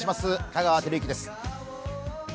香川照之です。